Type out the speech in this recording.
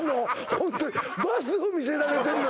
ホントにバスを見せられてんの？